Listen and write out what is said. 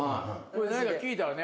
何か聞いたらね